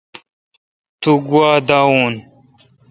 توگوا داؤؤن۔